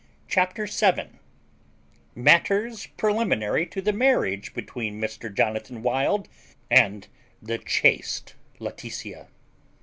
CHAPTER SEVEN MATTERS PRELIMINARY TO THE MARRIAGE BETWEEN MR. JONATHAN WILD AND THE CHASTE LAETITIA.